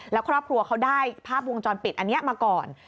แล้วครอบครัวเขาได้ภาพวงจรปิดอันนี้มาก่อน